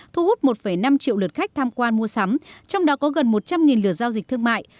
thu hút một năm triệu lượt khách tham quan mua sắm trong đó có gần một trăm linh lượt giao dịch thương mại